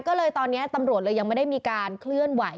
ก็เลยตอนนี้ตำรวจยังไม่ได้มีการเชื่อว่าย